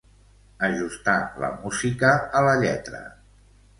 Ajustar la música a la lletra.